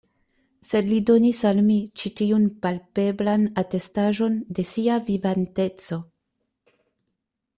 Sed li donis al mi ĉi tiun palpeblan atestaĵon de sia vivanteco.